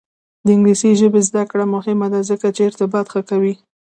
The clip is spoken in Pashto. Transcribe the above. د انګلیسي ژبې زده کړه مهمه ده ځکه چې ارتباط ښه کوي.